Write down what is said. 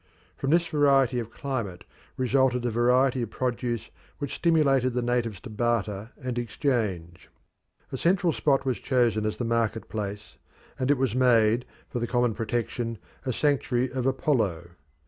From this variety of climate resulted a variety of produce which stimulated the natives to barter and exchange. A central spot was chosen as the market place, and it was made, for the common protection, a sanctuary of Apollo.